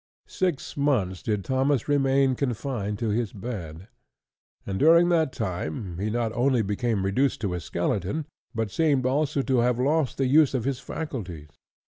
Six months did Thomas remain confined to his bed; and during that time he not only became reduced to a skeleton, but seemed also to have lost the use of his faculties.